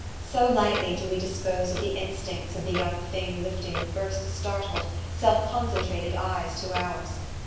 So lightly do we dispose of the instincts of the young thing lifting the first startled, self concentrated eyes to ours.